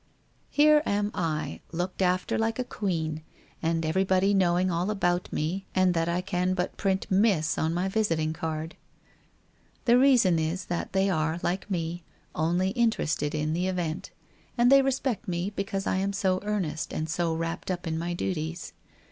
Here am I, looked after like a queen, and everybody knowing all about me and that I can but print Miss on my WHITE ROSE OF WEARY LEAF 411 visiting card. The reason is that they are, like me, only interested in the event, and they respect me because I am 60 in earnest and so wrapt up in my duties.